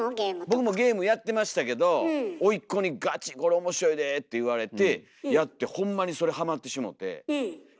僕もゲームやってましたけど甥っ子にこれ面白いでって言われてやってほんまにそれハマってしもて。